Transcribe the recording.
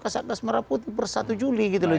kasat gas merah putih per satu juli gitu loh